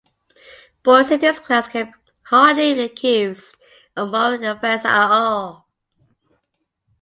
Boys in this class can hardly be accused of a moral offense at all.